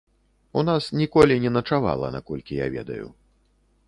У нас ніколі не начавала, наколькі я ведаю.